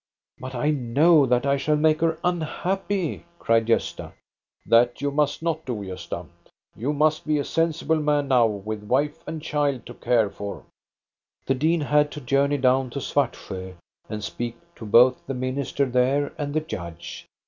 '* But I know that I shall make her unhappy," cried Gosta. "That you must not do, Gosta. You must be a sensible man now, with wife and child to care for." The dean had to journey down to Svartsjo and speak to both the minister there and the judge.